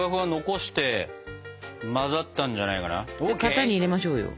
型に入れましょうよ。